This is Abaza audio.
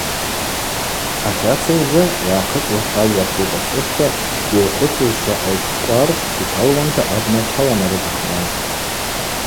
Ахьацайдза йгӏахъыцӏуаз алгӏва шкӏвокӏвасышта дзыгӏвхвыцызшва Алчӏвкӏвар йталуанта абна тшыланарыдзхуан.